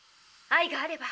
愛があれば。